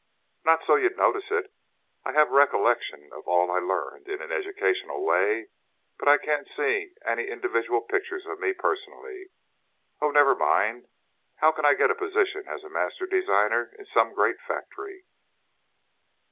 "Not so's you'd notice it! I have recollection of all I learned in an educational way, but I can't see any individual picture of me, personally, oh, never mind! How can I get a position as master designer in some great factory?"